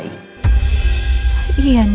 iya ndin elsa sudah melahirkan